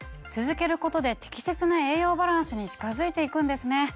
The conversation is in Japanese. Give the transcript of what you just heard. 続けることで適切な栄養バランスに近づいて行くんですね。